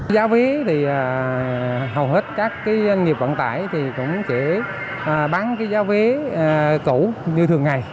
giá vé thì hầu hết các cái nghiệp vận tải thì cũng chỉ bán cái giá vé cũ như thường ngày